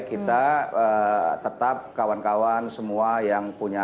kita tetap kawan kawan semua yang punya